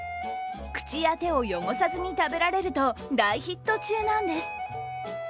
口や手を汚さずに食べられると大ヒット中なです。